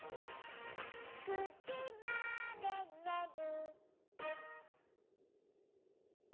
「９じまでにねる」